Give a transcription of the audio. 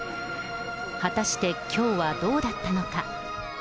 果たして、きょうはどうだったのか。